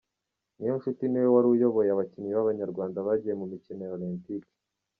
Niyonshuti niwe wari uyoboye abakinnyi b’Abanyarwanda bagiye mu mikino Olympique.